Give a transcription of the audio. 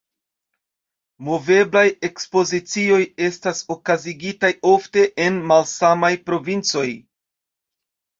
Moveblaj ekspozicioj estas okazigitaj ofte en malsamaj provincoj.